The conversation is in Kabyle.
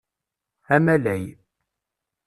Amalay.